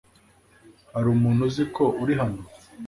Hari umuntu uzi ko uri hano?